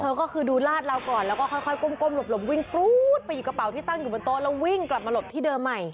ก็คือดูลาดเราก่อนแล้วก็ค่อยก้มหลบวิ่งปรู๊ดไปหยิบกระเป๋าที่ตั้งอยู่บนโต๊ะแล้ววิ่งกลับมาหลบที่เดิมใหม่